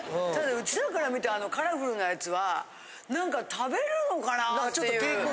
うちらから見てあのカラフルなやつは何か食べれるのかなっていう。